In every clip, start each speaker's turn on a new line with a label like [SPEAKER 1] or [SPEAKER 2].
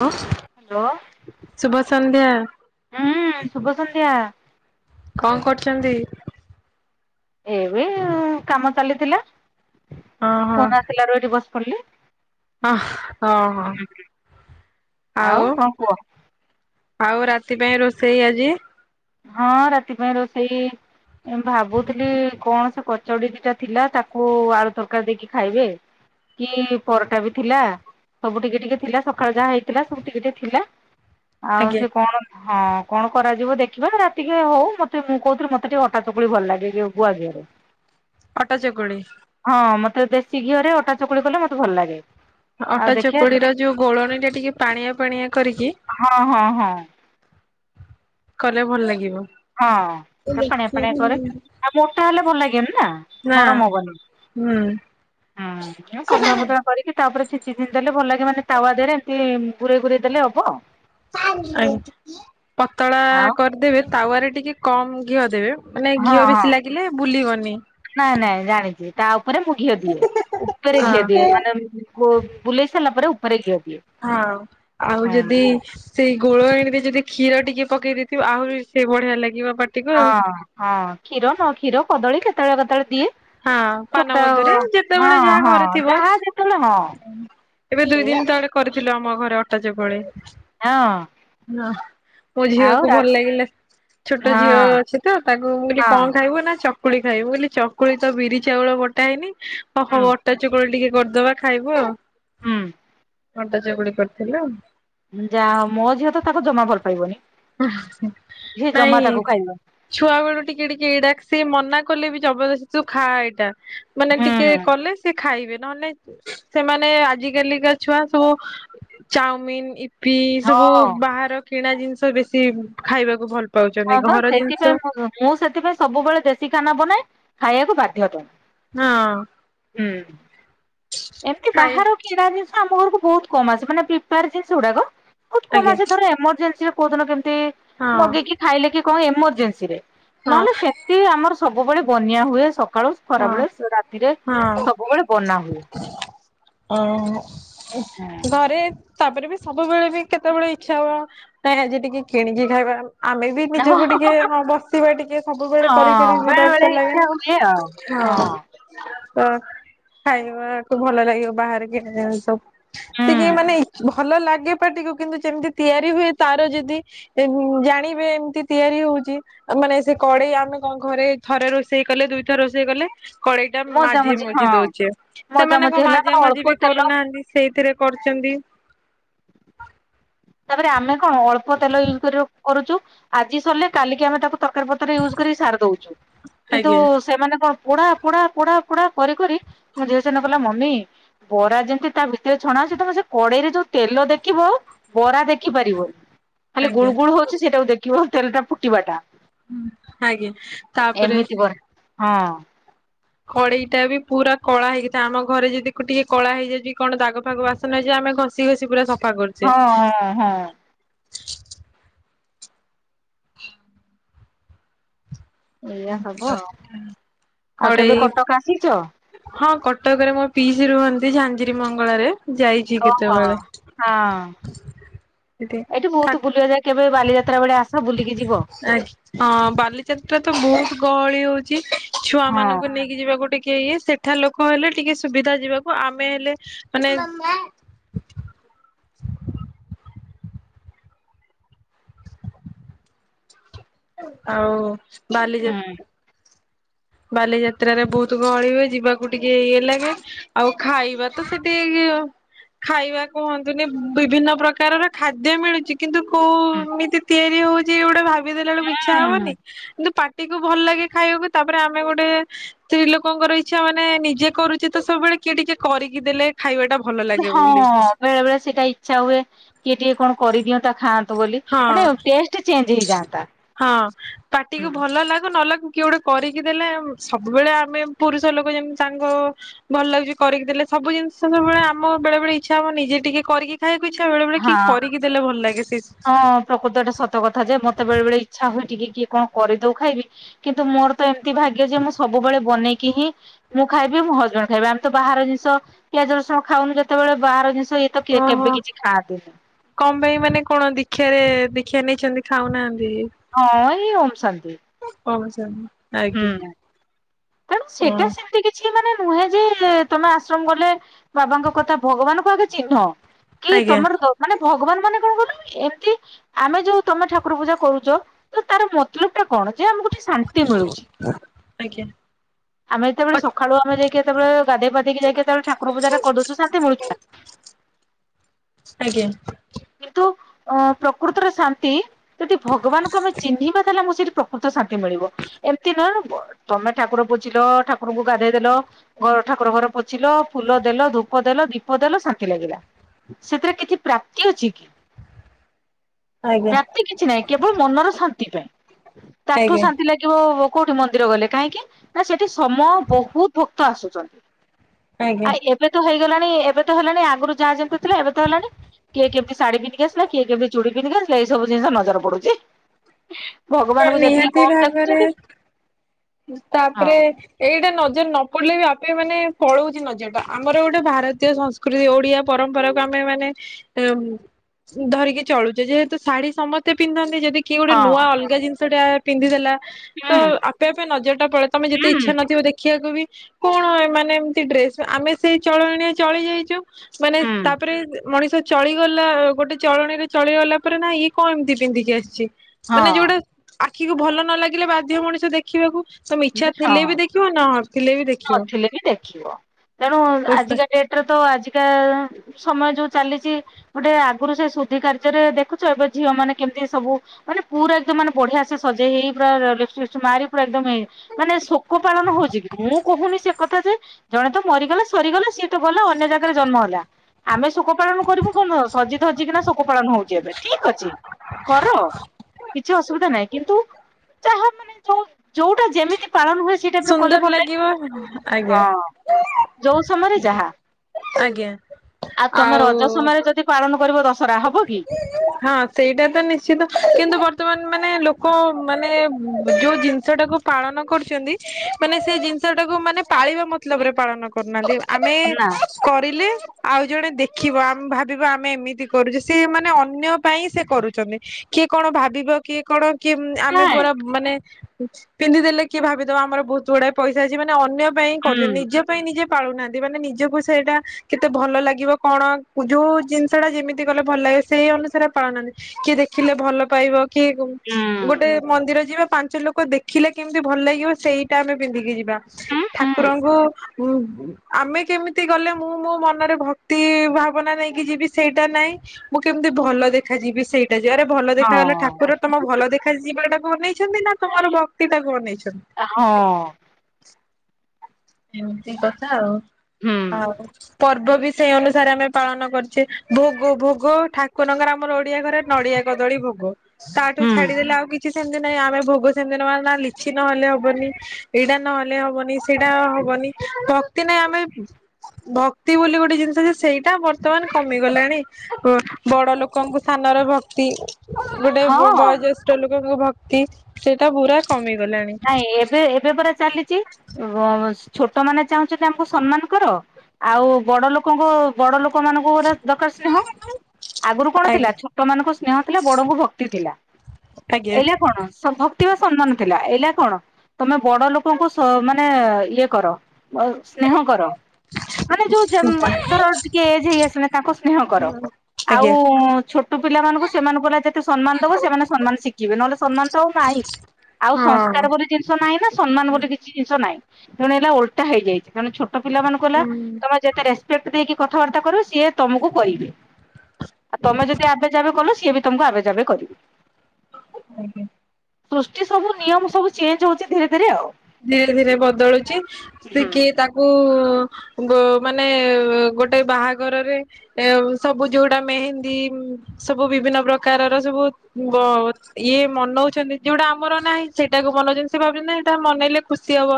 [SPEAKER 1] ଶୁଭ
[SPEAKER 2] ହ୍ୟାଲୋ
[SPEAKER 1] ସନ୍ଧ୍ୟା
[SPEAKER 2] ହୁଁ ସୁୁଭ ସନ୍ଧ୍ୟା।
[SPEAKER 1] କଣ କରୁଚନ୍ତି।
[SPEAKER 2] ଏବେ କାମ ଚାଲିଥିଲା ଫୋନ ଆସିଲା ରୁ ଏଠି ବସି ଖୋଲଲି।
[SPEAKER 1] ହ ହଁ ହଁ ଆଉ।
[SPEAKER 2] କଣ କୁହ
[SPEAKER 1] ଆଉ ରାତି ପାଇଁ ରୋଷେଇ ଆଜି?
[SPEAKER 2] ହଁ ରାତି ପାଇଁ ରୋଷେଇ ଭାବୁଥିଲି କଣ ସେ କଚୋଡି ଦିଟା ଥିଲା ତାକୁ ଆଳୁ ତରକାରୀ ଦେଇକି ଖାଇବେ। କି ପରଟା ବି ଥିଲା ସବୁ ଟିକେ ଟିକେ ଥିଲା ସକାଳ ଯାହା ହେଇଥିଲା ସବୁ ଟିକେ ଟିକେ ଥିଲା। ଆଉ
[SPEAKER 1] ଆଜ୍ଞା
[SPEAKER 2] ସେ କଣ ହଁ କଣ କରାଯିବ ଦେ ରାତିକେ ହଉ ମତେ ମୁଁ କହୁଥିଲି ମତେ ଟିକେ ଅଟା ଚକୁଳି ଭଲ ଲାଗେ ଗୁଆଘିଅରେ
[SPEAKER 1] ଅଟା ଚକୁଳି।
[SPEAKER 2] ମତେ ଦେଶୀ ଘିଅରେ ଅଟା ଚକୁଳି କଲେ ମତେ ଭଲ ଲାଗେ। ଆଉ
[SPEAKER 1] ଅଟା
[SPEAKER 2] ଦେଖିବା ଯଦି
[SPEAKER 1] ଚକୁଡିର ଯୋଉ ଗୋଳଣିଟା ଟିକେ ପାଣିଆ ପାଣିଆ କରିକି
[SPEAKER 2] ହଁ ହଁ ହଁ।
[SPEAKER 1] କଲେ ଭଲ ଲାଗିବ।
[SPEAKER 2] ହଁ ସେଟା ପାଣିଆ ପାଣିଆ କରେ ଆଉ ମୋଟା ହେଲେ ଭଲ ଲାଗିବନି ନା
[SPEAKER 1] ନା
[SPEAKER 2] ନରମ ହବନି
[SPEAKER 1] ହୁଁ।
[SPEAKER 2] ହୁଁ ପତଳା ପତଳା କରିକି ତାପରେ ଛିଞ୍ଚି ଦେଲେ ଭଲ ଲାଗେ ମାନେ ତାୱା ଦେରେ ଏମିତି ଗୁରେଇ ଗୁରେଇ ଦେଲେ ହବ
[SPEAKER 1] ଆଜ୍ଞା ପତଳା
[SPEAKER 2] ଆଉ
[SPEAKER 1] କରିଦେବେ ତାୱରେ ଟିକେ କମ ଘିଅ ଦେବେ ମାନେ
[SPEAKER 2] ହଁ
[SPEAKER 1] ଘିଅ
[SPEAKER 2] ହଁ
[SPEAKER 1] ବେଶୀ ଲାଗିଲେ ବୁଲିବନି
[SPEAKER 2] ନାଇଁ ନାଇଁ ଜାଣିଛି ତା ଉପରେ ମୁଁ ଘିଅ ଦିଏ ଉପରେ ଘିଅ
[SPEAKER 1] ହଁ
[SPEAKER 2] ଦିଏ ମାନେ ବୁଲେଇ ସାରିଲା ପରେ ଉପରେ ଘିଅ ଦିଏ
[SPEAKER 1] ହଁ ଆଉ
[SPEAKER 2] ହଁ
[SPEAKER 1] ଯଦି ସେଇ ଗୋଳ ଆଣିବେ ଯଦି କ୍ଷୀର ଟିକେ ପକେଇ ଦେଇଥିବ ଆହୁରି ସେ ବଢିଆ ଲାଗିବ। ପାଟିକୁ
[SPEAKER 2] ହଁ
[SPEAKER 1] ଆଉ।
[SPEAKER 2] ହଁ କ୍ଷୀର ନ କ୍ଷୀର କଦଳୀ କେତେବେଳେ କେତେବେଳେ ଦିଏ।
[SPEAKER 1] ହଁ
[SPEAKER 2] ଚକଟା
[SPEAKER 1] ପାନମଧୁରୀ ଯେତେବେଳେ
[SPEAKER 2] ହଁ
[SPEAKER 1] ଯାହା
[SPEAKER 2] ହଁ
[SPEAKER 1] ଘରେ ଥିବ।
[SPEAKER 2] ଯାହା ଯେତେବେଳେ ହଁ
[SPEAKER 1] ଏବେ ଦୁଇ
[SPEAKER 2] ସେଇଆ
[SPEAKER 1] ଦିନ୍ ତଳେ କରିଥିଲୁ ଆମ ଘରେ ଅଟା ଚକୁଳି।
[SPEAKER 2] ହଁ
[SPEAKER 1] ହଁ ମୋ
[SPEAKER 2] ଆଉ
[SPEAKER 1] ଝିିଅକୁ
[SPEAKER 2] ରା
[SPEAKER 1] ଭଲ ଲାଗିଲା। ଛୋଟ ଝିଅ
[SPEAKER 2] ହଁ
[SPEAKER 1] ଅଛି ତ ତାକୁ ମୁଁ କହିଲି
[SPEAKER 2] ହଁ
[SPEAKER 1] କଣ ଖାଇବୁ ନା ଚକ କୁଳି ଖାଇବୁ ମୁଁ କହିଲି ଚକୁଳି ତ ବିରି ଚାଉଳ ବଟା ହେଇନି ଅ
[SPEAKER 2] ହୁଁ
[SPEAKER 1] ହୋଉ ଅଟା ଚକୁଳି ଟିକେ କରିଦବା। ଖାଇବୁ ଆଉ।
[SPEAKER 2] ହୁଁ।
[SPEAKER 1] ଅଟା ଚକୁଳି କରିଥିଲ।
[SPEAKER 2] ଯାହା ହୋଉ ମୋ ଝିଅ ତ ତାକୁ ଜମା ଭଲ ପାଇବନି। ଝିଅ ଜମା
[SPEAKER 1] ନାଇଁ
[SPEAKER 2] ତାକୁ ଖାଇବନି
[SPEAKER 1] ଛୁଆ ବେଳୁ ଟିକେ ଟିକେ ଏଡାକ ସେ ମନା କଲେ ବି ଜବରଦସ୍ତି ତ ଖା ଏଇଟା ମାନେ
[SPEAKER 2] ହୁଁ
[SPEAKER 1] ଟିକେ କଲେ ସେ ଖାଇବେ ନହେଲେ ନାହିଁ ସେମାନେ ଆଜିକାଲିକା ଛୁଆ ସବୁ ଚାଉମିନ୍ ଇପି ସବୁ
[SPEAKER 2] ହଁ।
[SPEAKER 1] ବାହାର କିଣା ଜିନିଷ ବେଶି ଖାଇବାକୁ ଭଲ ପାଉଛନ୍ତି
[SPEAKER 2] ହଁ ପା
[SPEAKER 1] ଘର ଜିନିଷ
[SPEAKER 2] ସେଇଥିପାଇଁ ମୁଁ ସେଥିପାଇଁ ସବୁବେଳେ ଦେଶୀ ଖାନା ବନାଏ ଖାଇବାକୁ ବାଧ୍ୟ ତମେ।
[SPEAKER 1] ହଁ।
[SPEAKER 2] ହୁଁ ଏମିତି
[SPEAKER 1] ଖାଇ
[SPEAKER 2] ବାହାର କିଣା ଜିନିଷ ଆମ ଘରକୁ ବହୁତ କମ୍ ଆସେ ମାନେ ଫ୍ଲିପ୍ କାର୍ଡ ଜିନିଷ ଗୁଡ଼ାକ ବହୁତ କମ୍
[SPEAKER 1] ଆଜ୍ଞା
[SPEAKER 2] ଆସେ ଥରେ ଏମୋର୍ଜିଂଶରେ କୋଉ ଦିନ କେମିତି।
[SPEAKER 1] ହଁ।
[SPEAKER 2] [unintelligible] କଣ ଏମର୍ଜେନ୍ସୀ ରେ
[SPEAKER 1] ହଁ
[SPEAKER 2] ନହେଲେ ସେମିତି ଆମର ସବୁବେଳ ବନ୍ୟା ହୁଏ। ସକାଳୁ
[SPEAKER 1] ହଁ
[SPEAKER 2] ଖରାବେଳେ ରାତିରେ ସବୁବେଳେ ବନା ହୁଏ।
[SPEAKER 1] ଆଉ ଘରେ ତାପରେ ବି ସବୁବେଳେ ବି କେତେବେଳେ ଇଚ୍ଛା ହୁଏ ନାଇ ଆଜି ଟିକେ କିଣିକି ଖାଇବା। ଆମେ ବି ନିଜକୁ ଟିକେ ହଁ ବସିବା ଟିକେ ସବୁବେଳେ କରି କରି
[SPEAKER 2] ହଁ ବେଳେ ବେଳେ
[SPEAKER 1] ବିରକ୍ତ ଲାଗେ।
[SPEAKER 2] ଇଚ୍ଛା ହୁଏ ଆଉ
[SPEAKER 1] ହଁ ତ ଖାଇବାକୁ ଭଲ ଲାଗିବ ବାହାରେ କିଣିକି ସବୁ। ଟିକେ ମାନେ
[SPEAKER 2] ହୁଁ
[SPEAKER 1] ଇ ଭଲ ଲାଗେ। ଗେ ପାଟିକୁ କିନ୍ତୁ ଯେମିତି ତିଆରି ହୁଏ ତାର ଯଦି ଜାଣିବେ ଏମତି ତିଆରି ହୋଉଛି। ମାନେ ସେ କଡେଇ ଆମେ ତ ଘରେ ଥରେ ରୋଷେଇ କଲେ ଦୁଇଥର ରୋଷେଇ କଲେ। କଡ଼େଇଟା ମାଜି
[SPEAKER 2] ମଜାମଜି ହଁ
[SPEAKER 1] ମଜି ଦୋଉଛେ ସେମାନେ
[SPEAKER 2] ମଜାମଜି
[SPEAKER 1] କଣ
[SPEAKER 2] ହେଲା
[SPEAKER 1] ମାଜା
[SPEAKER 2] ବା
[SPEAKER 1] ମଜି
[SPEAKER 2] ଅଳ୍ପ
[SPEAKER 1] ବି
[SPEAKER 2] ତେଲ
[SPEAKER 1] କରୁନାହାନ୍ତି ସେଇଥିରେ କରୁଚନ୍ତି।
[SPEAKER 2] ତାପରେ ଆମେ କଣ ଅଳ୍ପ ତେଲ ୟୁଜ୍ କରିବାକୁ କରୁଚୁ ଆଜି ସରିଲେ କାଲିକି ଆମେ ତାକୁ ତରକାରୀ ପତ୍ର ରେ ୟୁଜ୍ କରିକି ସାରି ଦୋଉଚୁ କିନ୍ତୁ
[SPEAKER 1] ଆଜ୍ଞା
[SPEAKER 2] ସେମାନେ କଣ ପୋଡା ପୋଡା ପୋଡା ପୋଡା କରି କରି ମୋ ଝିଅ ସେଦିନ କହିଲା ମମି ବରା ଯେମିତି ତା ଭିତରେ ଛଣା ହୋଉଛି ତମେ ସେ କଡେଇରେ ଯୋଉ ତେଲ ଦେଖିବ ବରା ଦେଖି ପାରିବନି ଖାଲି
[SPEAKER 1] ଆଜ୍ଞା।
[SPEAKER 2] ଗୁଳ ଗୁଳ ହୋଉଛି ସେଇଟାକୁ ଦେଖିବ ତେଲଟା ଫୁଟିବାଟା।
[SPEAKER 1] ହଁ ଆଜ୍ଞା ତାପରେ।
[SPEAKER 2] ଏମିତି ବରା ହଁ।
[SPEAKER 1] କଡ଼େଇଟା ବି ପୁରା କଳା ହେଇକିଥାଏ ଆମ ଘରେ ଯଦି ଟିକେ କଳା ହେଇଯାଇଛି କି କଣ ଦାଗ ଫାଗ ବାସନ ହେଇଯିବ ଆ ଇଏ କଣ ସିଏ ଆସି ପୁରା ସ
[SPEAKER 2] ହଁ ହଁ ହଁ।
[SPEAKER 1] [inaudible]
[SPEAKER 2] ଏଇଆ ସବୁ ଆଉ
[SPEAKER 1] [inaudible]
[SPEAKER 2] ଆଉ କେବେ
[SPEAKER 1] କଡ଼େଇ
[SPEAKER 2] କଟକ ଆସିଛ
[SPEAKER 1] ହଁ କଟକରେ ମୋ ପିଇସି ରୁହନ୍ତି ଝାଞ୍ଜିରି ମଙ୍ଗଳା ରେ। ଯାଇଚି
[SPEAKER 2] ଓହୋ
[SPEAKER 1] କେତେବେଳେ [inaudible]
[SPEAKER 2] ହଁ ଏଇଠି
[SPEAKER 1] ଆଜ୍ଞା ଠା
[SPEAKER 2] ବହୁତ ବୁଲିବା ଯାଏ କେବେ ବାଲିଯାତ୍ରା ବେଳେ ଆସ ବୁଲିକି ଯିବ।
[SPEAKER 1] [inaudible] ଆ ହଁ ବାଲିଯାତ୍ରା ବୋ ହୁତ ଗହଳି ହୋଉଛି ଛୁଆ ମାନଙ୍କୁ
[SPEAKER 2] ହଁ।
[SPEAKER 1] ନେଇକି ଯିବାକୁ ଟି ଟେ ଏଇ ସେଠା ଲୋକ ହେଲେ ଟିକେ ସୁବିଧା ଯିବାକୁ ଆମେ ହେଲେ ମାନେ [inaudible] ଆଉ ବାଲିଯା
[SPEAKER 2] ହୁଁ
[SPEAKER 1] ବାଲିଯାତ୍ରରେ ବହୁତ ଗହଳି ହୁଏ। ଯିବାକୁ ଟିକେ ଇଏ ଲାଗେ ଆଉ ଖାଇବା ତ ସେଠି [unintelligible] ଖାଇବା କୁହନ୍ତୁନି ବିଭିନ୍ନ ପ୍ରକାରର ଖାଦ୍ୟ ମିଳୁଛି କିନ୍ତୁ ହଁଉ ଏମିତି ତିଆରି ହୋଉଛି ଗୋଟେ ଭାବିଦେଲା ବେଳକୁ ଇଚ୍ଛା ହବନି କିନ୍ତୁ ପା ଟି କୁ ଭଲ ଲାଗେ ଖାଇବାକୁ ତା ପରେ ଆମେ ଗୋଟେ ସ୍ତ୍ରୀ ଲୋକଙ୍କର ଇଚ୍ଛା ମାନେ ନିଜେ କରୁଛେ ତ ସବୁବେଳେ କିଏ ଟିକେ କରିକି ଦେଲେ ଖାଇବା ଟା ଭଲ ଲାଗେ
[SPEAKER 2] ହଁ
[SPEAKER 1] ବୋଲି
[SPEAKER 2] ବେଳେ ବେଳେ ସେଇଟା ଇଚ୍ଛା ହୁଏ କିଏ ଟିକେ କଣ କରିଦିଅନ୍ତା ଖାଆ ବୋଲି
[SPEAKER 1] ହଁ।
[SPEAKER 2] ମାନେ ଟଷ୍ଟ ଚେଞ୍ଜ ହେଇଯାଆ
[SPEAKER 1] ହଁ ପାଟିକୁୁ ଭଲ ଲାଗୁ ନ ଲାଗୁ କିଏ ଗୋଟେ କରିକି ଦେଲେ ସବୁବେଳେ ଆମେ ପୁରୁଷ ଲୋକ ଯେମତି ତାଙ୍କ ଭଲ ଲାଗୁଛି କରିକି ଦେଲେ ସବୁଜିନିଷ ସବେଳେ ଆମ ବେଳେବେଳେ ଇଚ୍ଛା ହବନି ନିଜେ ଟିକେ କରିକି ଖାଏ ଇଚ୍ଛା ବଳେ ବଳେ କି
[SPEAKER 2] ହଁ।
[SPEAKER 1] କରିକି ଦେଲେ ଭଲ ଲାଗେ ସେ
[SPEAKER 2] ହଁ ପ୍ରକୃତ ଏଟା ସତ କଥା ଯେ ମ ମତେ ବେଳେ ବେଳେ ଇଚ୍ଛା ହୁ ଟିକେ କିଏ କଣ କରିଦଉ ଖାଇବି କିନ୍ତୁ ମୋର ତ ଏମିତି ଭାଗ୍ୟ ଯେ ମୁଁ ସବୁବେଳେ ବ ନେଇକି ହିଁ ମୁଁ ଖାଇବି ମୋ ହଜବେଣ୍ଡ ଖାଇବି ଆମେ ତ ବାହାର ଜିନିଷ ପିଆଜ ରସୁଣ ଖାଉନୁ ଯେତେବେଳେ ବାହାର ଜିନ
[SPEAKER 1] ଓହୋ [inaudible] କ ପାଇଁ ମାନେ କଣ ଦୀକ୍ଷାରେ ଦୀକ୍ଷା ନେଇଛନ୍ତି ଖାଉନାହାନ୍ତି?
[SPEAKER 2] ହଁ ଏଇ ଓମ୍ ଶାନ୍ତି।
[SPEAKER 1] ହୋଉ ଚେମ୍
[SPEAKER 2] ହୁଁ ତେଣୁ ସେଟା ସେମତି କିଛି ମାନେ ନୁହେଁ ଯେ ତମେ ଆଶ୍ରମ ଗଲେ ବାବାଙ୍କ କଥା ଭଗବାନଙ୍କୁ ଆଗେ ଚିହ୍ନ। କି
[SPEAKER 1] ଆଜ୍ଞା
[SPEAKER 2] ତମର ତ ମାନେ ଭଗବାନ ମାନେ କଣ କହିଲ ଏତେ ଆମେ ଯୋଉ ତମେ ଠାକୁର ପୂଜା କରୁଛ ତ ତାର ମତଲବ ଟା କଣ? ଯେ ଆମକୁ ଟିକେ ଶାନ୍ତି ମିଳୁ।
[SPEAKER 1] ଆଜ୍ଞା।
[SPEAKER 2] ଆମେ ଯେତେବେଳେ ସକାଳୁ ଆମେ ଯାଇକି କେତେବେଳେ ଗାଧୋଇ ପାଧେଇକି ଯାଇକି କେତେବେଳେ ଠାକୁର ପୂଜା ଟା କରି ଦୋଉଛୁ ଶାନ୍ତି ମିଳୁଛି ନା।
[SPEAKER 1] [inaudible] ଆଜ୍ଞା।
[SPEAKER 2] କିନ୍ତୁ ଅ ପ୍ରକୃତର ଶାନ୍ତି ଯଦି ଭଗବାନଙ୍କୁ ଆମେ ଚିହ୍ନିବା ତାହେଲେ ମୁଁ ସେଠି ପ୍ରକୃତ ଶାନ୍ତି ମିଳିବ ଏମିତି ନା ତମେ ଠାକୁର ବୁଝିଲ ଠାକୁରଙ୍କୁ ଗାଧେଇ ଦେଲ ଘର ଠାକୁର ଘର ପୋଛିଲ ଫୁଲ ଦେଲ ଧୂପ ଦେଲ ଦୀପ ଦେଲ ଶାନ୍ତି ଲାଗିଲା ସେଥିରେ କିଛି ପ୍ରା ତି ଅଛି କି?
[SPEAKER 1] ଆଜ୍ଞା
[SPEAKER 2] ପ୍ରାପ୍ତି କିଛି ନାହିଁ କେବଳ ମନର ଶାନ୍ତି ପାଇଁ ତାଠୁ
[SPEAKER 1] ଆଜ୍ଞା
[SPEAKER 2] ଶାନ୍ତି ଲାଗିବ କୋଉଠି ମନ୍ଦିର ଗଲେ କାହିଁକି ନା ସେଠି ସମ ବହୁତ ଭକ୍ତ ଆସୁଛନ୍ତି।
[SPEAKER 1] ଆଜ୍ଞା
[SPEAKER 2] ଆ ଏବେ ତ ହେଇଗଲାଣି ଏବେ ତ ହେଲାଣି ଆଗରୁ ଯାହା ଯେନ୍ତୁ ଥିଲା ଏବେ ତ ହେଲାଣି କିଏ କେମିତି ଶାଢୀ ପନ୍ଧିକି ଆସିଲା କିଏ କେମିତି ଚୁଡ଼ି ପନ୍ଧିକି ଆସିଲା ସେ ସବୁ ଜିନଷ ନଜର ପଡୁଛି। ଭଗବାନ ଙ୍କୁ ଯେତିକି
[SPEAKER 1] ନିହାତି
[SPEAKER 2] କମ୍
[SPEAKER 1] ଭାବରେ
[SPEAKER 2] ଦେଖୁଛନ୍ତି
[SPEAKER 1] ତାପରେ
[SPEAKER 2] ହଁ
[SPEAKER 1] ଏଇଟା ନଜର ନ ପଡ଼ିଲେ ବି ଆପେ ମାନେ ପଳଉଛି ନଜରଟା ଆମର ଗୋଟେ ଭାରତୀୟ ସଂସ୍କୃତି ଓଡ଼ିଆ ପରମ୍ପରାକୁ ଆମେ ମାନେ ଉ ଧରିକି ଚଳୁଛେ ଯେହେତୁ ଶାଢୀ ସମସ୍ତେ ପିନ୍ଧନ୍ତି ଯଦି କିଏ ଗୋଟେ
[SPEAKER 2] ହଁ
[SPEAKER 1] ନୂଆ ଅଲଗା ଜିନିଷ ଟା ପିନ୍ଧିଦେଲା ତ
[SPEAKER 2] ହୁଁ।
[SPEAKER 1] ଆପେ ଆପେ ନଜର ଟା ପଲେ ତମେ ଯେତେ
[SPEAKER 2] ହୁଁ
[SPEAKER 1] ଇଚ୍ଛାନଥିବ ଦେଖିବାକୁ ବି କଣ ଏମାନେ ଏମତି ଡ୍ରେସ ଆମେ ସେଇ ଚଳଣିଆ ଚଳି ଯାଇଛୁ। ମାନେ
[SPEAKER 2] ହୁଁ
[SPEAKER 1] ତାପରେ ମଣିଷ ଚଳିଗଲା ଗୋଟେ ଚଳଣିରେ ଚଳିଗଲା ପରେ ନା ଇଏ କଣ ଏମିତି ପିନ୍ଧିକି ଆସିଛି। ମାନେ ଯୋଉଟା
[SPEAKER 2] ହଁ
[SPEAKER 1] ଆଖିକୁ ଭଲ ନ ଲାଗିଲେ, ବାଧ୍ୟ ମଣିଷ ଦେଖିବାକୁ। ତମେ ଇଚ୍ଛା
[SPEAKER 2] ହଁ।
[SPEAKER 1] ଥିଲେ ବି ଦେଖିବ ନ
[SPEAKER 2] ନଥିଲେ ବି ଦେଖିବ ତେଣୁ ଆଜିକା ଡେଟ୍ରେ ତ ଆଜିକା ସମୟ ଯୋଉ ଚାଲିଛି ଗୋଟେ ଆଗରୁ ସେ ଶୁଦ୍ଧି କାର୍ଯ୍ୟରେ ଦେଖୁଛୁ, ଏବେ ଝିଅ ମାନେ କେମିତି ସବୁ ମାନେ ପୁରା ମାନ ବଢିଆ ସେ ସଜେଇ ହେଇ ପୁରା ଲିପଷ୍ଟିକ୍, ଫିପଷ୍ଟିକ୍ ମାରି ପୁରା ଏକ୍ ଦମ୍ ମାନେ ଶୋକ ପାଳନ ହଉଛି, କି ମୁଁ କହୁନି ସେ କଥା ଯେ ଜଣେ ତ ମରିଗଲା ସରିଗଲା ସିଏ ତ ଗଲା ଆଉ ଅନ୍ୟ ଜାଗାରେ ଜନ୍ମ ହେଲା ଆମେ ସ ଶୋକ ପାଳନ କରିବୁ କଣ ସଜି ଧଜି କିନା ଶୋକ ପାଳନ ହଉଛି ଏବେ ଠିକ୍ ଅଛି କର। କିଛି ଅସୁବିଧା ନାହିଁ କିନ୍ତୁ, ଯାହା ମାନେ ଯୋଉ ଯୋଉଟା ଯେମିତି ପାଳନ ହୁଏ ସେଇ ଟାଇପ୍‌ର
[SPEAKER 1] ସୁନ୍ଦର
[SPEAKER 2] କଲେ ଭଲ
[SPEAKER 1] ଲାଗିବ
[SPEAKER 2] ଲାଗିବନା
[SPEAKER 1] ଆଜ୍ଞା
[SPEAKER 2] ଆଉ, ହଁ ଯୋଉ ସମୟରେ ଯାହା।
[SPEAKER 1] ଆଜ୍ଞା।
[SPEAKER 2] ଆଉ ତମେ ରଜ ସମୟରେ ଯଦି ପାଳନ କରିବ ଦଶ
[SPEAKER 1] ହଁ ସେଇଟା ତ ନିଶ୍ଚିନ୍ତ କିନ୍ତୁ ବର୍ତ୍ତମାନ ମାନେ ଲୋକ ମାନେ ମାନେ ଯୋଉ ଜିନିଷ ଟାକୁ ପାଳନ କରୁଛନ୍ତି ମାନେ ସେ ଜିନିଷ ଟାକୁ ମାନେ ପାଳିବା ମତଲବରେ ଏବେ ପାଳନ କରୁନାହାନ୍ତି ବା ଆମେ
[SPEAKER 2] ନା
[SPEAKER 1] କରିଲେ ଆଉ ଜଣେ ଦେଖିବ ଆମେ ଭଭାବିବା ଆମେ ଏମିତି କରୁଛି ସେ ମାନେ ଅନ୍ୟ ପାଇଁ ସେ କରୁଚନ୍ତି କିଏ କଣ ଭାବିବ କିଏ କଣ କି ମ୍ ଆମେ
[SPEAKER 2] ହେଁ
[SPEAKER 1] ପରା ମାନେ ପିନ୍ଧିଦେଲେ କି ଭାବିଦବ ଆମର ବହୁତ୍‌ ଗୁଡାଏ ପଇସା ଅଛି ମାନେ ଅନ୍ୟ ପାଇଁ କରୁଚନ୍ତି
[SPEAKER 2] ହୁଁ
[SPEAKER 1] ନିଜ ପାଇଁ ନିଜେ ପାଳୁନାହାନ୍ତି ମାନେ ନିଜକୁ ସେଇଟା କେତେ ଭଲ ଲାଗିବ କଣ ଯୋଉ ଜିନିଷଟା ଯେମିତି କେମିତି କଲେ ଭଲ ଲାଗିବ ସେଇ ଅନୁସାରେ ଆଉ ପାଳୁ ନାହାନ୍ତି କିଏ ଦେଖିଲେ ଭଲ ପାଇବ କିଏ ଗୁମ୍
[SPEAKER 2] ହୁଁ
[SPEAKER 1] ଗୋଟେ ମନ୍ଦିର ଯିବ ପାଞ୍ଚ ଲୋକ ଦେଖିଲେ କେମିତି ଭଲ ଲାଗିବ ସେଇଟା ଆମେ ପିନ୍ଧିକି ଯିବା।
[SPEAKER 2] ହୁଁ ହୁଁ
[SPEAKER 1] ଠାକୁରଙ୍କୁ ଉଁ ଉଁ ଆମେ କେମିତି ଗଲେ ମୁଁ ମୋ ମନରେ ଭକ୍ତି ଭାବନା ନେଇକି ଯିବି ସେଇ ଟା ନାଇଁ ମୁଁ କେମିତି ଭଲ ଦେଖାଯିବି ସେଇ ତେଜ ରେ ଭଲ ଦେଖାଗଲେ
[SPEAKER 2] ହଁ
[SPEAKER 1] ଠାକୁର ତମ ଭଲ ଦେଖାଯିବା ଟାକୁ ଅନେଇ ଛନ୍ତି ନା ତମର ଭକ୍ତି ଟାକୁ ଅନେଇଛନ୍ତି
[SPEAKER 2] ହଁ
[SPEAKER 1] । ଏମ୍ତି କଥା ଆଉ
[SPEAKER 2] ହୁଁ
[SPEAKER 1] ଆଉ ପର୍ବ ବି ସେଇ ଅନୁସାରେ ଆମେ ପାଳନ କରୁଛେ ଭୋଗ ଭୋଗ ଠାକୁରଙ୍କର ଆମର ଓଡିଆ ଘରେ ନଡିଆ କଦଳୀ ଭୋଗ। ତା ଠୁ
[SPEAKER 2] ହୁଁ
[SPEAKER 1] ଛାଡିଦେଲେ ଆଉ କିଛି ସେମତି ନାଇଁ ଆମେ ଭୋଗ ସେମତି ନବା ନା ଲିଚି ନ ହେଲେ ହବନି ଏଇଟା ନହେଲେ ହବନି ସେଇଟା ହବ ସେମତି ନାଇଁ ଆମେ ଭକ୍ତି ବୋଲି ଗୋଟେ ଜିନିଷ ଯେ ସେଇ ଟା ବର୍ତ୍ତମାନ କମିଗଲାଣି କ ବଡ ଲୋକଙ୍କୁ ସାନ ର ଭକ୍ତି ଗୋଟେ
[SPEAKER 2] ହଁ
[SPEAKER 1] ବୟୋଜ୍ୟେଷ୍ଠ ଲୋକଙ୍କୁ ଭକ୍ତି ସେଇଟା ବୁରା କମି
[SPEAKER 2] ନାଇଁ ଏବେ ଏବେ ପରା ଚାଲି [unintelligible] ଛୋଟ ମାନେ ଚାହୁଁଛନ୍ତି ଆମକୁ ସମ୍ମାନ କର ଆଉ ବଡ ଲୋକଙ୍କୁ ବଡ ଲୋକ ମାନଙ୍କୁ ଗୋଟେ ଦକାର ସ୍ନେହ ଆଗରୁ କଣ ଥିଲା
[SPEAKER 1] ଆଜ୍ଞା
[SPEAKER 2] ଛୋଟ ମାନଙ୍କ ସ୍ନେହ ଥିଲା ବଡଙ୍କୁ ଭକ୍ତି ଥିଲା।
[SPEAKER 1] ଆଜ୍ଞା
[SPEAKER 2] ଏଇଲା କଣ ଭକ୍ତି ବା ସମ୍ମାନ ଥିଲା ଏଇଲା କଣ ତମେ ବଡ ଲୋକଙ୍କୁ ସ ମାନେ ଇଏ କର ଅ ସ୍ନେହ କର। ମାନେ ଯୋଉ ଜେମ୍ ଆ ଧର ଟିକେ ଏଜ୍‌ ହେଇ ହେଇ ଆସିଲାଣି ତାଙ୍କୁ ସ୍ନେହ କର। ଆଉ
[SPEAKER 1] ଆଜ୍ଞା
[SPEAKER 2] ଛୋଟ ପିଲାମାନଙ୍କୁ ସେମାନଙ୍କୁ ହେଲା ଯେତେ ସମ୍ମାନ ଦବ ସେମାନେ ସମ୍ମାନ ଶିଖିବେ ନହେଲେ ସମ୍ମାନ ତ ଆଉ ନାଆ [unintelligible] ଆଇ ଆଉ ସଂନ୍ ସ୍ [unintelligible] [unintelligible]
[SPEAKER 1] ହଁ।
[SPEAKER 2] କାରୋ ଗୋରୀ ଜିନିଷ ନାହିଁ ନା ସମ୍ମାନ ବୋଲି କିଛିି ଜିନିଷ ନାହିଁ ତେଣୁ ହେଲା ଓଲ୍‌ଟା ହେଇଯାଇଛି ତେଣୁ ଛୋ ତ ପିଲାମାନଙ୍କୁ ହେଲା
[SPEAKER 1] ହୁଁ।
[SPEAKER 2] ତମେ ଯେତେ ରେସ୍‌ପେକ୍ଟ ଦେଇକି କଥାବାର୍ତ୍ତା କରୁବ ସିଏ ତମକୁ କଇବେ। ଆଉ ତମେ ଯଦି ଆବେ ଜାବେ କଲ ସିଏ ବି ତମକୁ ଆବେ ଜାବେ କରିବେ।
[SPEAKER 1] ଆଜ୍ଞା।
[SPEAKER 2] ସୃଷ୍ଟି ସବୁ ନିୟମ ସବୁ ଚେଞ୍ଜ ହଉଚି ଧୀରେ ଧୀରେ ଆଉ।
[SPEAKER 1] ଧୀରେ ଧୀରେ ବଦଳୁଚି। ସେ
[SPEAKER 2] ହୁଁ
[SPEAKER 1] କିଏ ତାକୁ ଗୋ ମାନେ ଗୋଟେ ବାହାଘରରେ ଏ ସବୁ ଯୋଉଟା ମେହେନ୍ଦୀ ସବୁ ବିଭିନ୍ନ ପ୍ରକାରର ସବୁ ବ ଇଏ ମନଉଚନ୍ତି ଯୋଉଟା ଆମର ନାହିଁ ସେଇଟାକୁ ବନାଉଚନ୍ତି ସେ ଭାବୁଚନ୍ତି ଏଇଟା ଆମ ମନେଇଲେ ଖୁସି ହବ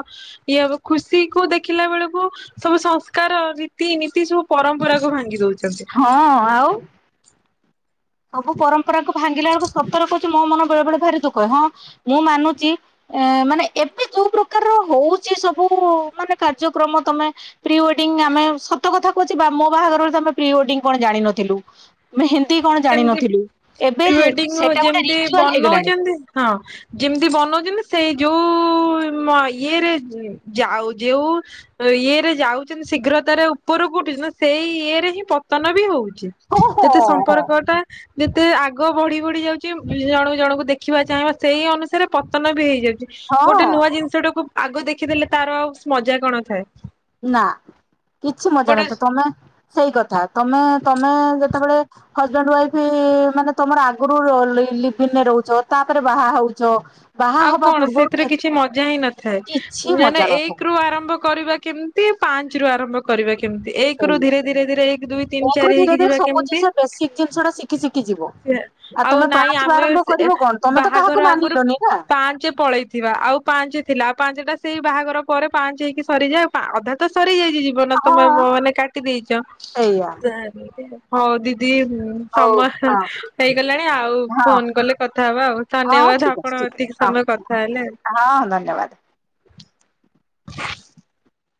[SPEAKER 1] ଇଏ ହବ ଖୁସିକୁ ଦେଖିଲା ବେଳକୁ ସବୁ ସଂସ୍କାର ରୀତିନୀତି ସବୁ ପରମ୍ପରାକୁୁ ଭାଙ୍ଗି ଦଉଚନ୍ତି।
[SPEAKER 2] ହଁ ଆଉ ସବୁ ପରମ୍ପରାକୁୁ ଭାଙ୍ଗିଲା ବେଳକୁ ସତର୍କ କି ମୋ ମନ ବେଳେ ବେଳେ ଭାରି ଦୁଃଖ ହୁଏ ହଁ ମୁଁ ମାନୁଚି ଏଁ ମାନେ ଏବେ ଯୋଉ ପ୍ରକାରର ହଉ ଚି ସବୁ ମାନେ କାର୍ଯ୍ୟକ୍ରମ ତମେ ପ୍ରିୱେଡିଙ୍ଗ ଆମେ ସତ କଥା କହୁଚି ଆ ମୋ ବାହାଘର ବଳ ଆମେ ପ୍ରିୱେଡିଂ କଣ ଜାଣିନଥିଲୁ, ଆମେ ହିନ୍ଦୀ କଣ ଜାଣିିନଥିଲୁ?
[SPEAKER 1] ପ୍ରିୱେଡିଙ୍ଗ ଯେମତି
[SPEAKER 2] ହେଇଗଲାଣି।
[SPEAKER 1] ବନଉଚନ୍ତି ହଁ ଯେମତି ବନଉଚନ୍ତି ସେଇ ଯୋଉ ଉ ମ ଇଏରେ ଯାଉଚନ୍ତି ଯେଉ ଇଏରେ ଯାଉଚନ୍ତି ଶୀଘ୍ର ତାର ଉପରକୁ ସେଇ ଇଏରେ ହିଁ ପତନ ବି ହଉଚି,
[SPEAKER 2] ହଁ ହଁ
[SPEAKER 1] ଯେତେ
[SPEAKER 2] ହଁ।
[SPEAKER 1] ସମ୍ପର୍କ ଟା ଯେତେ ଆଗ ବଢି ବଢି ଯାଉଚି, ଜଣ ଜଣଙ୍କୁ ଦେଖିବା ଚାହିଁ ସେଇ ଅନୁସାରେ ପତନ ବି ହେଇଯାଉ ଗୋଟେ
[SPEAKER 2] ହଁ
[SPEAKER 1] ନୂଆ ଜିନିଷ ଟାକୁ ଆଗ ଦେଖିଦେଲେ ତାର ଆଉ ମଜା କଣ ଥାଏ?
[SPEAKER 2] ନା କିଛି ମଜା
[SPEAKER 1] ଗୋଟେ
[SPEAKER 2] ନଥାଏ, ତମେ ସେଇ କଥା ତମେ ତମେ ଯେତେବେଳେ ହଜବେଣ୍ଡ ୱାଇଫ ମାନେ ତମର ଆଗରୁ ଲିଭିଂ ରେ ରହୁଚ ତା ତାପରେ ବାହା ହଉଚ?
[SPEAKER 1] ଆଉ କଣ ସେଥିରେ କିଛି ମଜା ହିଁ ନଥାଏ,
[SPEAKER 2] କିଛି
[SPEAKER 1] ମାନେ
[SPEAKER 2] ମଜା ନଥାଏ
[SPEAKER 1] ଏକ ରୁ ଆରମ୍ଭ କରିବା କେମତି ପାଞ୍ଚ ରୁ ଆରମ୍ଭ କରିବା କି କେମତି ଏକ ରୁ
[SPEAKER 2] ସେଇଆ
[SPEAKER 1] ଧୀରେ ଧୀରେ ଧୀରେ ଏକ ଦୁଇ ତିନି
[SPEAKER 2] ତାଙ୍କରୁ
[SPEAKER 1] ଚାରି
[SPEAKER 2] ଧୀରେ
[SPEAKER 1] ହେଇକି
[SPEAKER 2] ଧୀରେ
[SPEAKER 1] ଯିବା
[SPEAKER 2] ସବୁ
[SPEAKER 1] କେମିତି?
[SPEAKER 2] ଜିନିଷ ବେସିକ ଜିନିଷ ଟା ଶିଖି ଶିଖି ଯିବ
[SPEAKER 1] ଆଉ
[SPEAKER 2] ତମେ
[SPEAKER 1] ନାଇଁ
[SPEAKER 2] ପାଞ୍ଚରୁ
[SPEAKER 1] ଆମେ
[SPEAKER 2] ଆରମ୍ଭ
[SPEAKER 1] ଏ
[SPEAKER 2] କରିବ କଣ ତମେ ତ କାହାକୁ
[SPEAKER 1] ବାହାଘର ଆଗରୁ
[SPEAKER 2] ମାନିଲନି ନା
[SPEAKER 1] ପାଞ୍ଚ ପଳେଇଥିବା ଆଉ ପାଞ୍ଚ ଥିଲା ଆଉ ପାଞ୍ଚ ଟା ସେଇ ବାହାଘର ପରେ ପାଞ୍ଚ ହେଇକି ସରିଯାଏ। ଅଧା ତ ସରିଯାଇ ଯିବ ନା
[SPEAKER 2] ହଁ
[SPEAKER 1] ତମେ ମାନେ କାଟି ଦେଇଚ,
[SPEAKER 2] ସେଇଆ
[SPEAKER 1] ହଉ ଦିଦ ଦି
[SPEAKER 2] ହଉ
[SPEAKER 1] ସମୟ
[SPEAKER 2] ହଁ
[SPEAKER 1] ହେଇଗଲାଣି ଆଉ
[SPEAKER 2] ହଁ
[SPEAKER 1] ଫୋନ କଲେ କଥା ହବା ଆଉ
[SPEAKER 2] ହଁ
[SPEAKER 1] ଧନ୍ୟବାଦ
[SPEAKER 2] ଠିକ ଅଛି
[SPEAKER 1] ଆପଣ
[SPEAKER 2] ଠିକ
[SPEAKER 1] ଏତିକି ସମୟ କଥା ହେଲେ।
[SPEAKER 2] ହଁ ହଁ ଧନ୍ୟବାଦ।